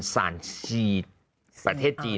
สานชีประเทศจีน